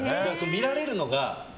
見られるのが。